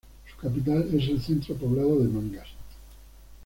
Su capital es el centro poblado de Mangas.